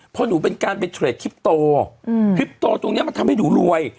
เพราะหนูเป็นการไปเทรดคลิปโตคลิปโตตรงนี้มันทำให้หนูรวย